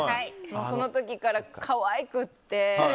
その時から可愛くって。